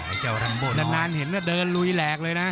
ไอ้เจ้ารันโบน้อยนานเห็นแล้วเดินลุยแหลกเลยนะ